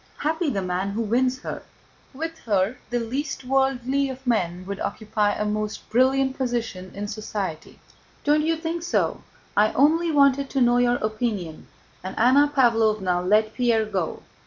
Happy the man who wins her! With her the least worldly of men would occupy a most brilliant position in society. Don't you think so? I only wanted to know your opinion," and Anna Pávlovna let Pierre go.